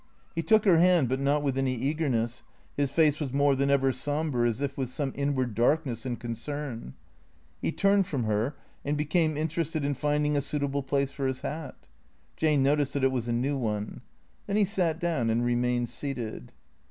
He took her hand, but not with any eagerness. His face was more than ever sombre, as if with some inward darkness and concern. He turned from her and became interested in finding a suitable place for his hat. (Jane noticed that it was a new one.) Then he sat down and remained seated.